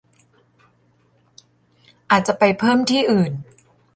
อาจจะไปเพิ่มที่อื่น